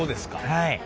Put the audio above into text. はい。